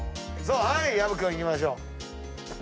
薮君いきましょう。